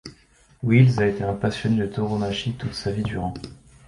Welles a été un passionné de tauromachie toute sa vie durant.